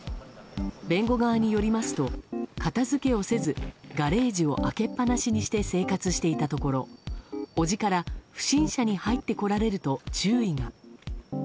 弁護側によりますと片づけをせず、ガレージを開けっ放しにして生活していたところ叔父から、不審者に入ってこられると注意が。